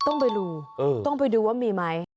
ต้องไปดูต้องไปดูว่ามีไหม